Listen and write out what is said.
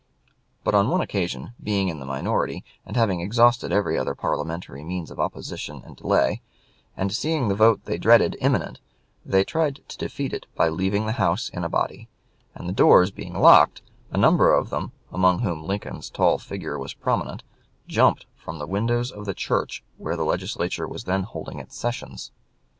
But on one occasion, being in the minority, and having exhausted every other parliamentary means of opposition and delay, and seeing the vote they dreaded imminent, they tried to defeat it by leaving the house in a body, and, the doors being locked, a number of them, among whom Mr. Lincoln's tall figure was prominent, jumped from the windows of the church where the Legislature was then holding its sessions.